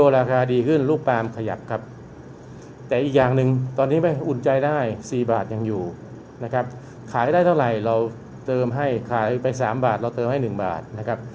ราคาดีขึ้นลูกปลามขยับครับแต่อีกอย่างหนึ่งตอนนี้อุ่นใจได้๔บาทยังอยู่นะครับขายได้เท่าไหร่เราเติมให้ขายไป๓บาทเราเติมให้๑บาทนะครับ